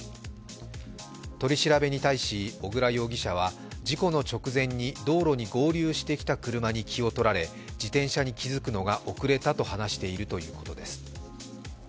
取り調べに対し小椋容疑者は事故の直前に道路に合流してきた車に気をとられ自転車に気付くのが遅れたと話しているということです。